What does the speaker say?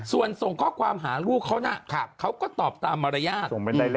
ส่วนส่งข้อความหาลูกเขานะเขาก็ตอบตามมารยาท